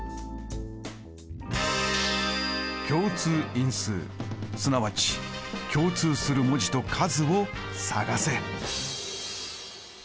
共通因数すなわち共通する文字と数を探せ。